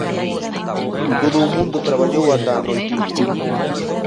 Todo o mundo traballou ata a noitiña.